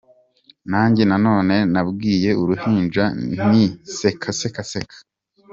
Nanjye noneho nabwiye uruhinja nti seka, seka, seka.